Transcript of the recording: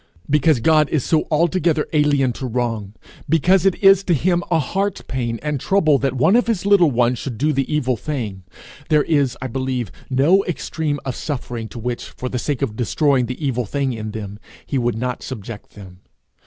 Because God is so altogether alien to wrong, because it is to him a heart pain and trouble that one of his little ones should do the evil thing, there is, I believe, no extreme of suffering to which, for the sake of destroying the evil thing in them, he would not subject them.